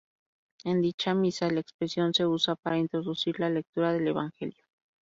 En dicha misa, la expresión se usa para introducir la lectura del Evangelio.